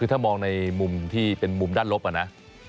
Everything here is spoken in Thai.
คือถ้ามองในมุมด้านลบนะ